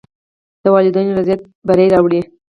د والدینو رضایت بری راولي.